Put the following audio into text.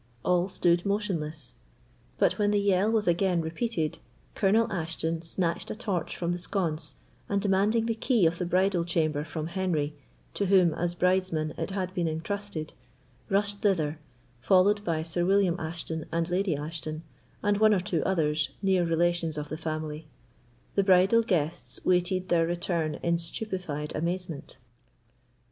All stood motionless; but when the yell was again repeated, Colonel Ashton snatched a torch from the sconce, and demanding the key of the bridal chamber from Henry, to whom, as bride's man, it had been entrusted, rushed thither, followed by Sir William Ashton and Lady Ashton, and one or two others, near relations of the family. The bridal guests waited their return in stupefied amazement.